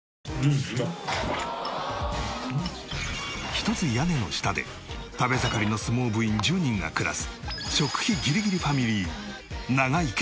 一つ屋根の下で食べ盛りの相撲部員１０人が暮らす。